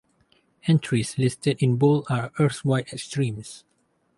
Entries listed in bold are Earth-wide extremes.